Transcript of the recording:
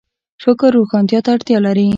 فکر روښانتیا ته اړتیا لري